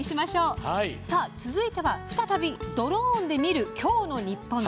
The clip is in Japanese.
続いては再び「ドローンで見る今日のニッポン」。